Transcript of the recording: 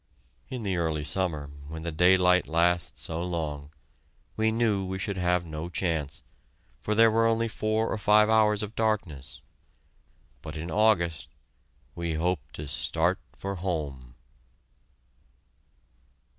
In the early summer, when the daylight lasts so long, we knew we should have no chance, for there were only four or five hours of darkness, but in August we hoped to "start for home."